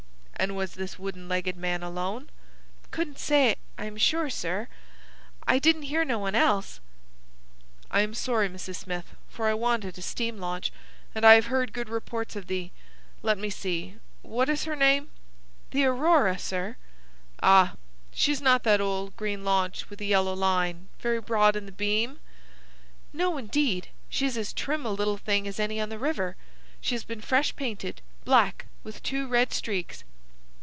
"And was this wooden legged man alone?" "Couldn't say, I am sure, sir. I didn't hear no one else." "I am sorry, Mrs. Smith, for I wanted a steam launch, and I have heard good reports of the—Let me see, what is her name?" "The Aurora, sir." "Ah! She's not that old green launch with a yellow line, very broad in the beam?" "No, indeed. She's as trim a little thing as any on the river. She's been fresh painted, black with two red streaks."